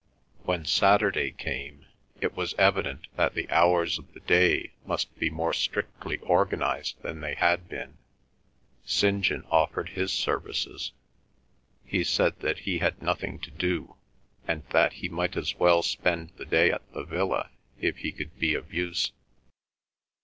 When Saturday came it was evident that the hours of the day must be more strictly organised than they had been. St. John offered his services; he said that he had nothing to do, and that he might as well spend the day at the villa if he could be of use.